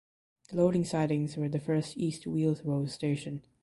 The loading sidings were the first East Wheal Rose station.